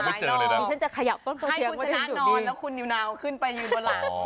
ให้คุณชนะนอนแล้วคุณนินนาวขึ้นไปอยู่บนหลัง